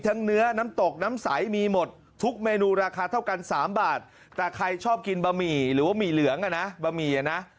แต่ใครชอบกินบะหมี่หรือว่ามีเหลืองอะนะบะหมี่ยังนะ